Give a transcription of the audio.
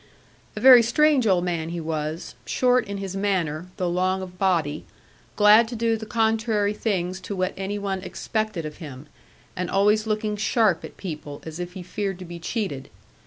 A very strange old man he was, short in his manner, though long of body, glad to do the contrary things to what any one expected of him, and always looking sharp at people, as if he feared to be cheated.